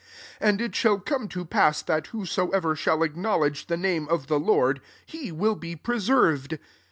21 And it shall come to pass, that whosoever shall acknowledge the name of the Lord, he will be preserv ed.'